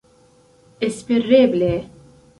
espereble